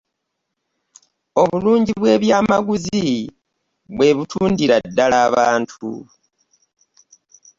obulungi bwe byamaguzi bwe butundira ddala abantu.